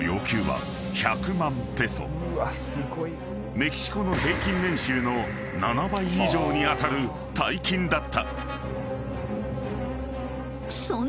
［メキシコの平均年収の７倍以上に当たる大金だった］